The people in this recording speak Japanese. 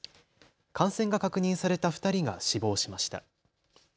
感染が確認された２人が死亡しました。